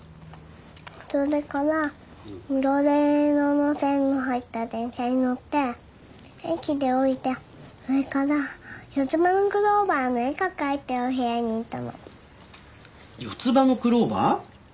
それから緑色の線の入った電車に乗って駅で降りてそれから四つ葉のクローバーの絵が描いてるお部屋に行ったの四つ葉のクローバー？